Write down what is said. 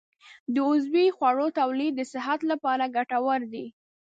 د عضوي خوړو تولید د صحت لپاره ګټور دی.